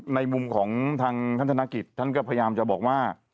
ในมุมของทางท่านธนกิจท่านก็พยายามจะบอกว่า